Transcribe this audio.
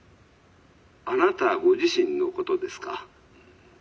「あなたご自身のことですか？」。